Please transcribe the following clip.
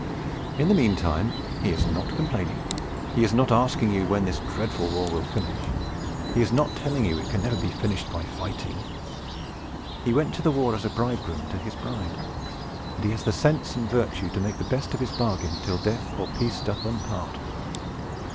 In the meantime he is not complaining; he is not asking you when this dreadful war will finish; he is not telling you it can never be finished by fighting. He went to the war as a bridegroom to his bride, and he has the sense and virtue to make the best of his bargain till death or peace doth them part.